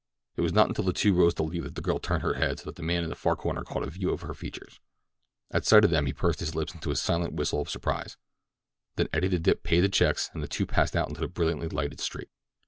It was not until the two rose to leave that the girl turned her head so that the man in the far corner caught a view of her features. At sight of them he pursed his lips into a silent whistle of surprise; then Eddie the Dip paid the checks and the two passed out into the brilliantly lighted street.